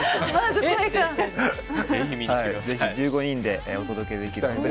ぜひ１５人でお届けできるので。